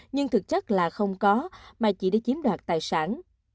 nhưng thực chất là không có mà chỉ để chiếm đoạt tài sản